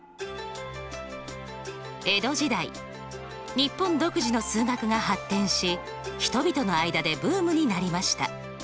日本独自の数学が発展し人々の間でブームになりました。